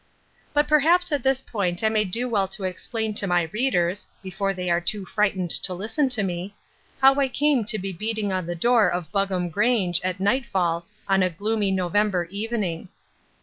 But perhaps at this point I may do well to explain to my readers (before they are too frightened to listen to me) how I came to be beating on the door of Buggam Grange at nightfall on a gloomy November evening.